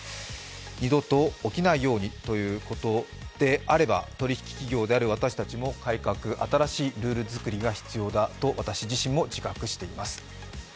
二度と起きないようにということであれば取り引き企業である私たちも改革、新しいルール作りが必要だと私自身も自覚しています。